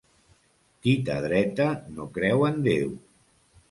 Tita dreta no creu en Déu.